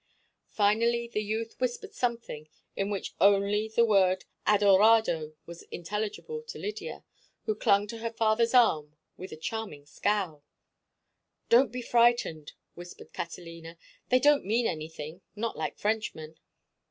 Finally the youth whispered something in which only the word adorado was intelligible to Lydia, who clung to her father's arm with a charming scowl. "Don't be frightened," whispered Catalina. "They don't mean anything—not like Frenchmen."